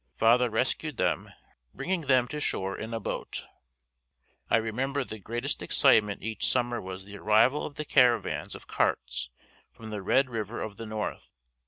Father rescued them, bringing them to shore in a boat. I remember the greatest excitement each summer was the arrival of the caravans of carts from the Red River of the North.